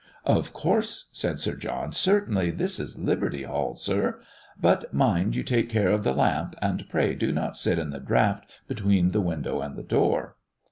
"Of course," said Sir John, "certainly! this is liberty hall, sir. But mind you take care of the lamp, and pray do not sit in the draught between the window and the door."